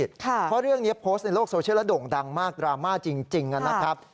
เพราะเรื่องนี้โพสต์ในโลกโซเชียลแล้วโด่งดังมากดราม่าจริงนะครับ